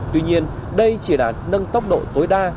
tuy nhiên đây chỉ là nâng tốc độ tối đa